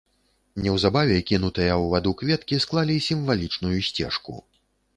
Неўзабаве кінутыя ў ваду кветкі склалі сімвалічную сцежку.